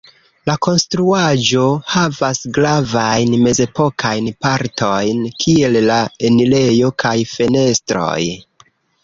La konstruaĵo havas gravajn mezepokajn partojn, kiel la enirejo kaj fenestroj.